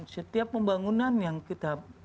setiap pembangunan yang kita